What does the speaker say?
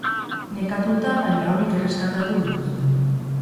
Nekatuta baina onik erreskatatu dituzte.